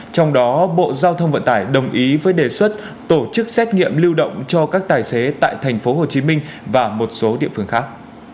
trong đó bộ giao thông vận tải đồng ý với đề xuất tổ chức xét nghiệm lưu động cho các tài xế tại tp hcm và một số địa phương khác